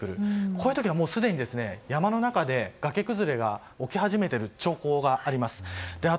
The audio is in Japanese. こういう時はすでに山の中で崖崩れが起き始めている兆候があります。